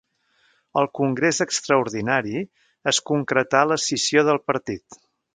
Al congrés extraordinari es concretà l'escissió del partit.